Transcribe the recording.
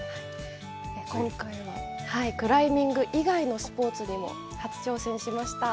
今回はクライミング以外のスポーツにも初挑戦しました。